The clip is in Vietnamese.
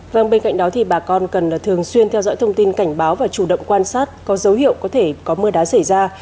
vâng bên cạnh đó thì bà con cần thường xuyên theo dõi thông tin cảnh báo và chủ động quan sát có dấu hiệu có thể có mưa đá xảy ra